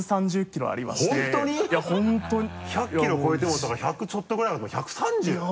「１００キロ超えても」だから１００ちょっとぐらいだと思ったら１３０？